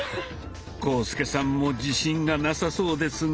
浩介さんも自信がなさそうですが。